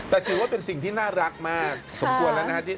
แต่ถือว่าเป็นสิ่งที่น่ารักมากสมควรแล้วนะครับ